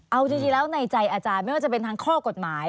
เอาจริงแล้วในใจอาจารย์ไม่ว่าจะเป็นทางข้อกฎหมาย